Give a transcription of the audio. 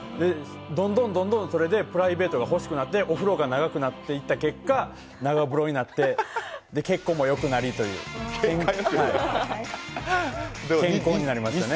どんどんそれでプライベートが欲しくなってお風呂が長くなっていった結果長風呂になって、血行もよくなりという、健康になりましたね。